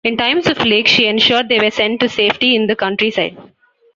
In times of plague, she ensured they were sent to safety in the countryside.